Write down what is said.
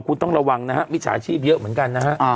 คุณต้องระวังนะฮะมิจฉาชีพเยอะเหมือนกันนะฮะ